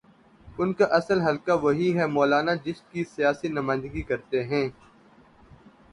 ان کا اصل حلقہ وہی ہے، مولانا جس کی سیاسی نمائندگی کرتے ہیں۔